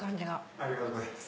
ありがとうございます。